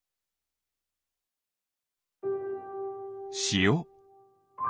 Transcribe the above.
しお。